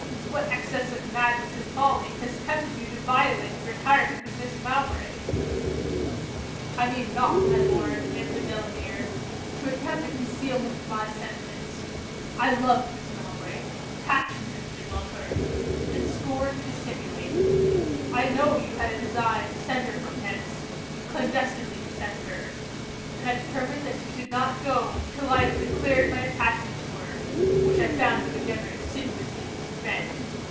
What excess of madness and folly has tempted you to violate the retirement of Miss Mowbray?' 'I mean not, my Lord,' answered Delamere, 'to attempt a concealment of my sentiments. I love Miss Mowbray; passionately love her; and scorn to dissimulate. I know you had a design to send her from hence; clandestinely to send her; and I determined that she should not go 'till I had declared my attachment to her, which I found you endeavoured assiduously to prevent.